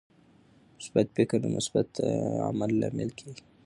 مثبت فکر د مثبت عمل لامل کیږي.